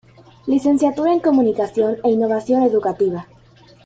Licenciatura en Comunicación e Innovación Educativa.